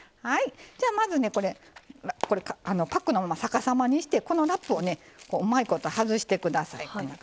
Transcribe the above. まずパックを逆さまにしてラップをうまいこと外してください。